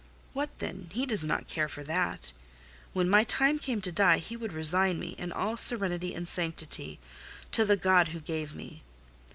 What then? He does not care for that: when my time came to die, he would resign me, in all serenity and sanctity, to the God who gave me.